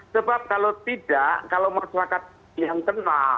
sebab kalau tidak kalau masyarakat yang kena